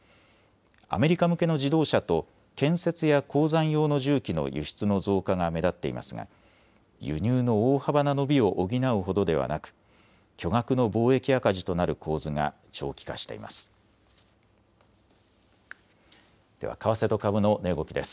アメリカ向けの自動車と建設や鉱山用の重機の輸出の増加が目立っていますが輸入の大幅な伸びを補うほどではなく巨額の貿易赤字となる構図が長期化しています。